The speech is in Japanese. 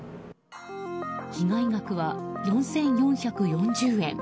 被害額は４４４０円。